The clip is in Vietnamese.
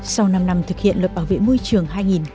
sau năm năm thực hiện luật bảo vệ môi trường hai nghìn một mươi bốn